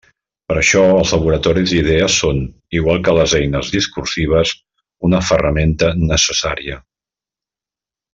Per això els laboratoris d'idees són, igual que les eines discursives, una ferramenta necessària.